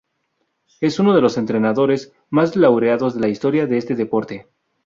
Es uno de los entrenadores más laureados de la historia de este deporte.